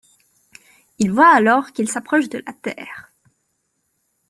Ils voient alors qu'ils s'approchent de la Terre.